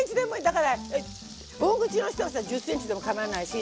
だから大口の人はさ１０ｃｍでもかまわないし。